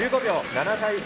７対１。